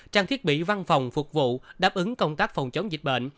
trang thiết bị văn phòng phục vụ đáp ứng công tác phòng chống dịch bệnh